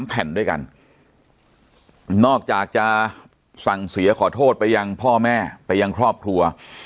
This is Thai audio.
แผ่นด้วยกันนอกจากจะสั่งเสียขอโทษไปยังพ่อแม่ไปยังครอบครัว